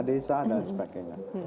desa dan sebagainya